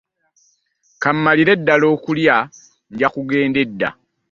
Ka mmalire ddala okulya nja kugenda edda.